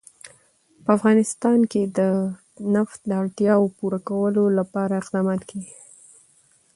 په افغانستان کې د نفت د اړتیاوو پوره کولو لپاره اقدامات کېږي.